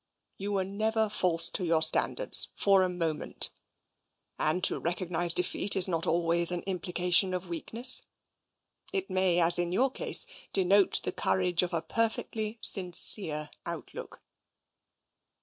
You were never false to your standards for a moment, and to recognise defeat is not always an implication of weakness. It may, as in your case, denote the courage of a perfectly sincere outlook.